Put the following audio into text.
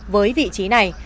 với vị trí này